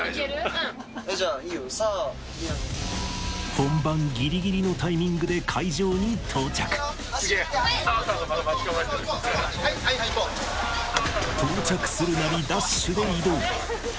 本番ギリギリのタイミングで会場に到着到着するなり